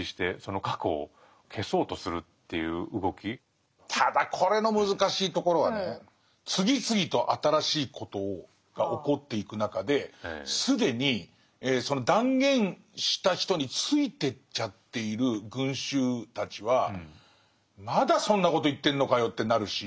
現在でさえなくてただこれの難しいところはね次々と新しいことが起こっていく中で既にその断言した人についてっちゃっている群衆たちは「まだそんなこと言ってんのかよ」ってなるし。